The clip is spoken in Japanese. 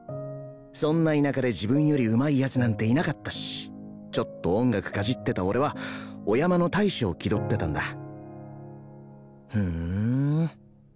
そんな田舎で自分よりうまい奴なんていなかったしちょっと音楽かじってた俺はお山の大将気取ってたんだふん。